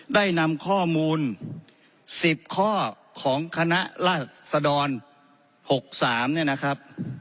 ได้นำข้อมูล๑๐ข้อของคณะราษฎร๖๓เนี่ยนะครับ